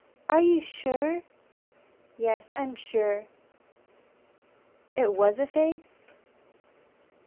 Are you sure " "Yes, I'm sure!" " it was a face?"